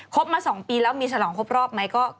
มา๒ปีแล้วมีฉลองครบรอบไหม